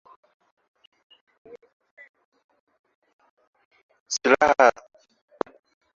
Silaha za jeshi zinashukiwa kuangukia kwenye mikono ya kundi lenye sifa mbaya la CODECO